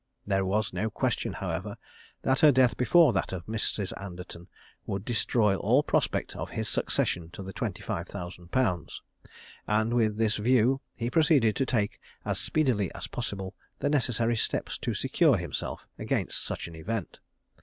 There was no question, however, that her death before that of Mrs. Anderton would destroy all prospect of his succession to the 25,000_l_., and with this view he proceeded to take as speedily as possible the necessary steps to secure himself against such an event.